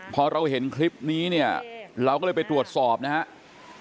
พอเราเห็นคลิปนี้เนี่ยเราก็เลยไปตรวจสอบนะครับ